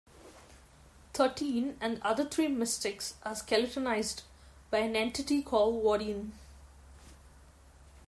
Thirteen and the other three mystics are skeletonized by an entity called Gwdion.